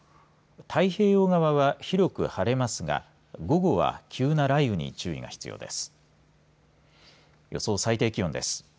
太平洋側は広く晴れますが午後は急な雷雨に注意が必要です。